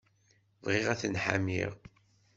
Bɣiɣ ad ten-ḥamiɣ.